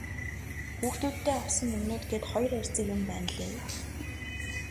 Хүүхдүүддээ авсан юмнууд гээд хоёр хайрцаг юм байнлээ.